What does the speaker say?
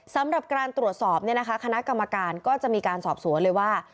สำหรับการตรวจสอบคณะกรรมการก็จะมีการสอบสวนเลยว่า